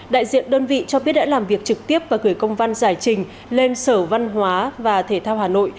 đại diện đơn vị cho biết đã làm việc trực tiếp và gửi công văn giải trình lên sở văn hóa và thể thao hà nội